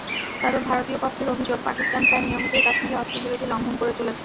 তবে ভারতীয় পক্ষের অভিযোগ, পাকিস্তান প্রায় নিয়মিতই কাশ্মীরে অস্ত্রবিরতি লঙ্ঘন করে চলেছে।